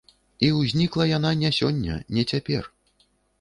І ўзнікла яна не сёння, не цяпер.